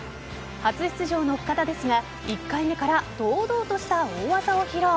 初出場の深田ですが１回目から堂々とした大技を披露。